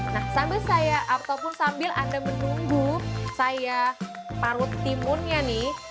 nah sambil saya ataupun sambil anda menunggu saya parut timunnya nih